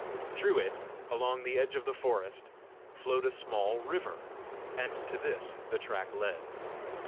Through it, along the edge of the forest, flowed a small river, and to this the track led.